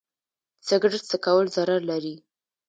سګرټ څکول ضرر لري.